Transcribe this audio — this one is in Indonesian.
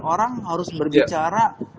orang harus berbicara